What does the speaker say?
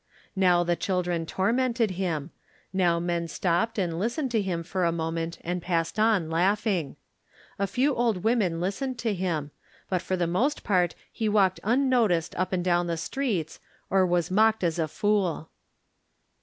Now the children tormented him, now meii 49 Digitized by Google THE NINTH MAN stopped and listened to him for a moment and passed on, laughing. A few old women listened to him, but for the most part he walked unnoticed up and down the streets or was mocked as a fool.